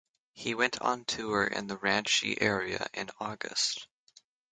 He went on tour in the Ranchi area in August.